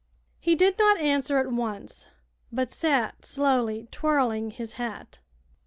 He did not answer at once, but sat slowly twirling his hat.